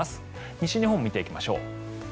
西日本も見ていきましょう。